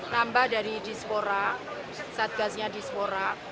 nambah dari dispora satgasnya dispora